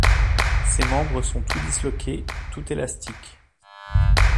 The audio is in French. Ses membres sont tout disloqués, tout élastiques.